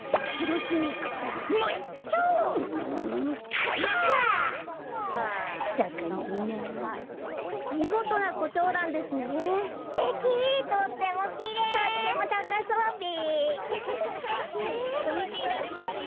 ずっとみていられますよ。